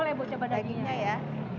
boleh bu coba dagingnya